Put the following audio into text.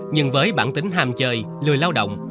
nhưng với bản tính ham chơi lười lao động